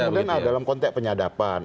kemudian dalam konteks penyadapan